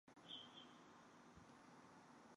世纪莲体育中心配有地下停车场。